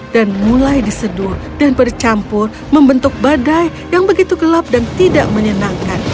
dan mulai diseduh dan bercampur membentuk badai yang begitu gelap dan tidak menyenangkan